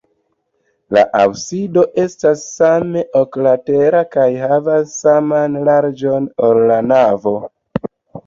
La absido estas same oklatera kaj havas saman larĝon, ol la navo.